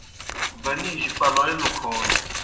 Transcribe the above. بنی جیْ پلوئے لُکھون